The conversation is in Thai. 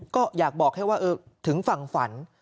ก็อยากบอกแค่ว่าถึงฝั่งฝัน